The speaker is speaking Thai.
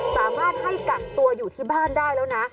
สามารถให้กักตัวอยู่ที่บ้านได้แล้วนะ